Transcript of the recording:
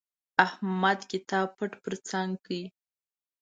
احمد کتاب پټ پر څنګ کړ.